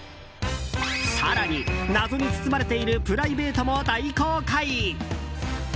更に、謎に包まれているプライベートも大公開。